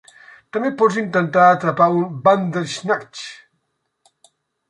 També pots intentar atrapar un Bandersnatch!